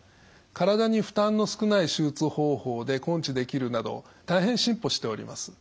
体に負担の少ない手術方法で根治できるなど大変進歩しております。